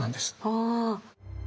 ああ。